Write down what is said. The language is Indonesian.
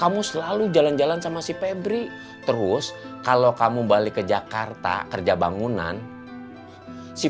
kamu selalu jalan jalan sama si pebri terus kalau kamu balik ke jakarta kerja bangunan si